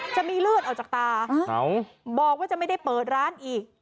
จะมีเลือดออกจากตาบอกว่าจะไม่ได้เปิดร้านอีก